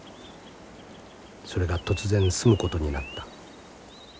それが突然住むことになった。